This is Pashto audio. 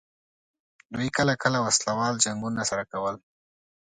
دوی کله کله وسله وال جنګونه سره کول.